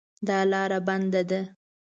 دا لار بنده ده